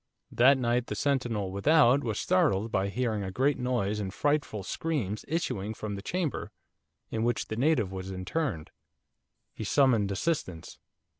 That night the sentinel without was startled by hearing a great noise and frightful screams issuing from the chamber in which the native was interned. He summoned assistance.